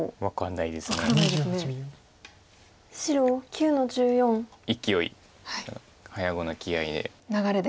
いきおい早碁の気合いで。